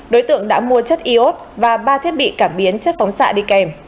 đối tượng đã mua chất iốt và ba thiết bị cảm biến chất phóng xạ đi kèm